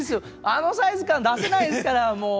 あのサイズ感出せないですからもう。